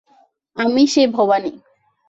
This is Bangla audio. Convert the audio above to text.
আমিই সেই ভবানী।